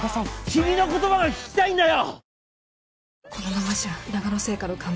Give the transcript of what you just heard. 君の言葉が聞きたいんだよ！